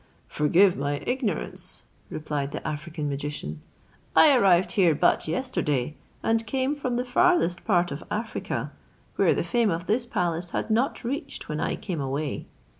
"Forgive my ignorance," replied the African magician; "I arrived here but yesterday, and came from the farthest part of Africa, where the fame of this palace had not reached when I came away.